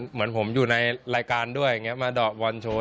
เหมือนผมอยู่ในรายการด้วยมาดอกบอลโชว์